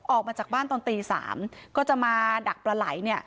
ออกมาจากบ้านตอนตี๓ก็จะมาดักปลาไหลเนี่ย